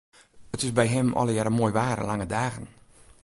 It is by him allegearre moai waar en lange dagen.